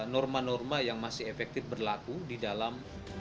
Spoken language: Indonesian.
norma norma yang masih efektif berlaku di dalam